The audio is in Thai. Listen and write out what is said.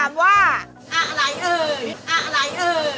อันอะไรเอ่ย